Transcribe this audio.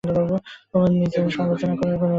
তোমার নিজের সমালোচনা করার কোনো অধিকার নেই।